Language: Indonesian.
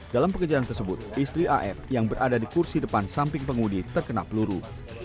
dalam pekerjaan tersebut istri af yang berada di kursi depan samping pengundi terkena peluru